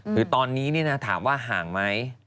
หรือตอนนี้เนี่ยนะถามว่าห่างไหม